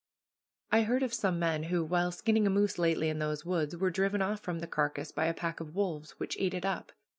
I heard of some men, who, while skinning a moose lately in those woods, were driven off from the carcass by a pack of wolves, which ate it up.